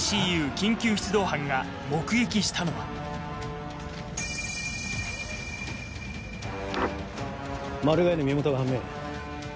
緊急出動班が目撃したのはマルガイの身元が判明。